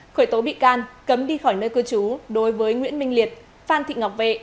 khởi tố bị can cấm đi khỏi nơi cư trú đối với nguyễn minh liệt phan thị ngọc vệ